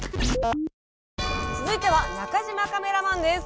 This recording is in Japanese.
続いては中嶋カメラマンです。